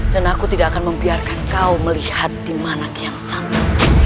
dan aku tidak akan membiarkan kau melihat dimanak yang sama